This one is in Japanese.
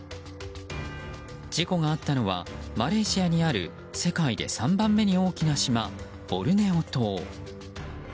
事故があったのはマレーシアにある世界で３番目に大きな島ボルネオ島。